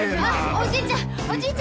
おじいちゃん！